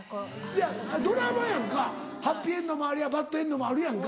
いやドラマやんかハッピーエンドもありゃバッドエンドもあるやんか。